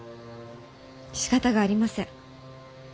しかたがありません。